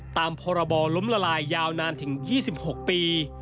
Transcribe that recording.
ตามพรบล้มละลายยาวนานถึง๒๖ปี